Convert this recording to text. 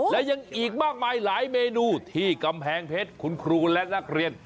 และยังอีกมากมายหลายเมนูที่กำแพงเพชรคุณครูและนักเรียน